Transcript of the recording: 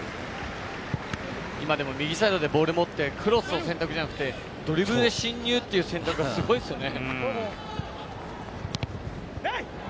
今でも右サイドでボールを持ってクロスの選択じゃなくて、ドリブルで進入という選択はすごいですよね。